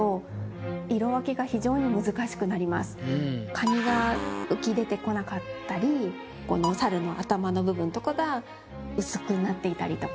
カニが浮き出てこなかったりこのサルの頭の部分とかが薄くなっていたりとか。